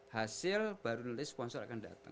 hasil baru nulis sponsor akan datang